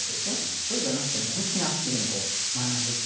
そうじゃなくてもうほんとにアクティブに学んでいけるねうん。